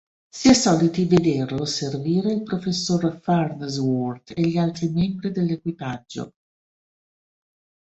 Si è soliti vederlo servire il professor Farnsworth e gli altri membri dell'equipaggio.